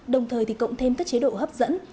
đồng thời thì cộng thêm các chế độ hấp dẫn